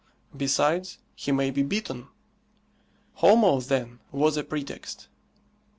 Besides, he may be bitten. Homo, then, was a pretext.